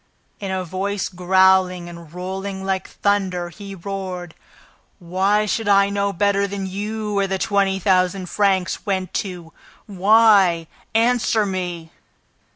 In a voice growling and rolling like thunder, he roared: "Why should I know better than you where the twenty thousand francs went to? Why? Answer me!"